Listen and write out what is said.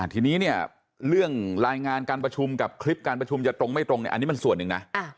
ทีนี้เนี่ยเรื่องรายงานการประชุมกับคลิปการประชุมจะตรงไม่ตรงอันนี้มันส่วนหนึ่งนะ